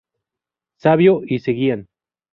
Savio; y seguían.